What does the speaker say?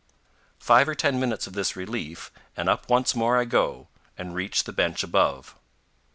Five or ten minutes of this relief, and up once more I go, and reach the bench above.